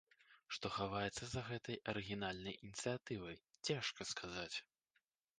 Што хаваецца за гэтай арыгінальнай ініцыятывай, цяжка сказаць.